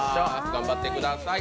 頑張ってください。